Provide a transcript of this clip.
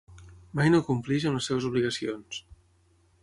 Mai no compleix amb les seves obligacions.